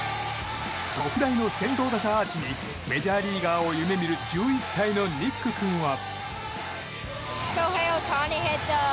特大の先頭打者アーチにメジャーリーガーを夢見る１１歳のニック君は。